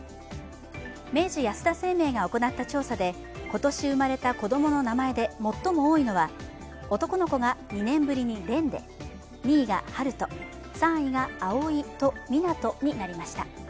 明治安田生命が行った調査で今年生まれた子供の名前で最も多いのは男の子が２年ぶりに「蓮」で２位が「陽翔」３位が「蒼」と「湊」になりました。